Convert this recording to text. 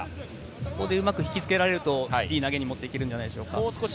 ここでうまく引きつけられるといい投げに持っていけるのではないでしょうか。